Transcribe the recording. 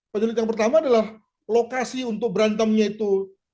penjulit yang pertama adalah lokasi untuk berantemnya itu